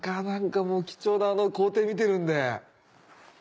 何かもう貴重なあの工程見てるんで。